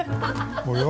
およ？